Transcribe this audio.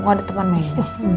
gak ada teman main